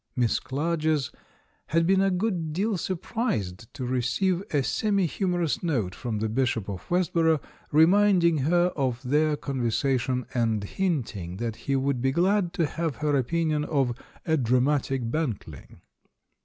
Miss Clarges had been a good deal surprised to receive a semi humorous note from the Bishop of Westborough, reminding her of their conver sation and hinting that he would be glad to have her opinion of "a dramatic bantling."